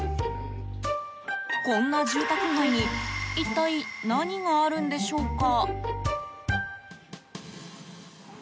こんな住宅街に一体何があるんでしょうか？